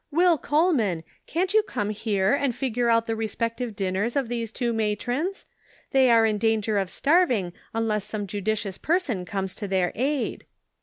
Will Cole man, can't you come here and figure out the respective dinners of these two matrons ? They are in danger of starving unless some judicious person comes to their aid."